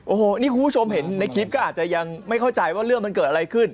โอ้โหนี่คุณผู้ชมเห็นในคลิปก็อาจจะยังไม่เข้าใจว่าเรื่องมันเกิดอะไรขึ้น